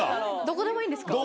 どこでもいいんですか？